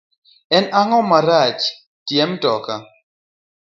En ango marach tie mtoka